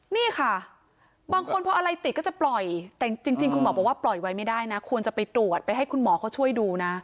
นี่ค่ะบางคนพออะไรติดก็จะปล่อยแต่จริงคุณหมอบอกว่าปล่อยไว้ไม่ได้นะควรจะไปตรวจไปให้คุณหมอเขาช่วยดูนะ